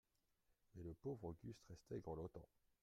Mais le pauvre Auguste restait grelottant.